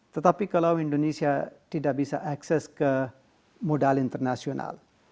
tetapi kalau indonesia tidak bisa akses ke modal internasional